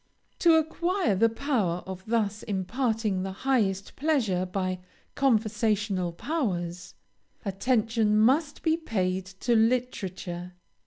To acquire the power of thus imparting the highest pleasure by conversational powers, attention must be paid to literature.